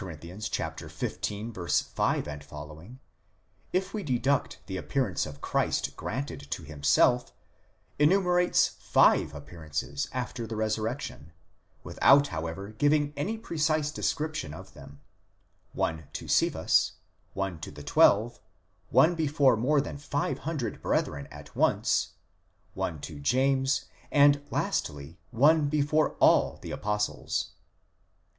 xv. 5 ff, if we deduct the appearance of Christ granted to himself, enumerates five appearances after the resurrection, without however giving any precise description of them: one to Cephas; one to the twelve; one before more than five hundred brethren at once; one to James ; and lastly, one before all the apostles.